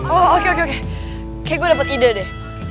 oh oke oke kayaknya gue dapet ide deh